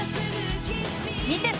見てて！